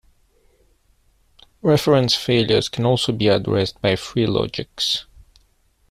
Reference failures can also be addressed by free logics.